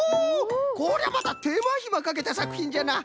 これはまたてまひまかけたさくひんじゃな。